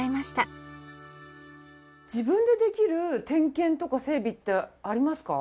自分でできる点検とか整備ってありますか？